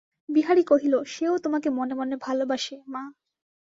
বিহারী কহিল, সে-ও তোমাকে মনে মনে ভালোবাসে, মা।